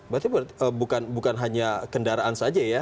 berarti bukan hanya kendaraan saja ya